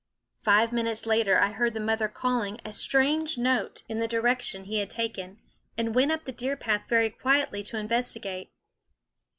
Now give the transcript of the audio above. Five minutes later I heard the mother call ing a strange note in the direction he had taken, and went up the deer path very quietly to investigate.